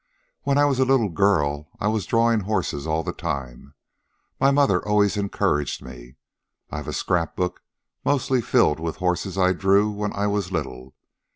When I was a little girl I was drawing horses all the time. My mother always encouraged me. I've a scrapbook mostly filled with horses I drew when I was little.